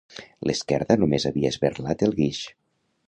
L'esquerda només havia esberlat el guix.